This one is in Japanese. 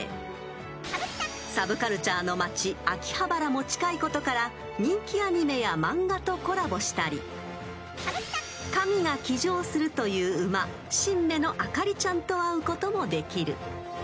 ［サブカルチャーの街秋葉原も近いことから人気アニメや漫画とコラボしたり神が騎乗するという馬神馬のあかりちゃんと会うこともできる］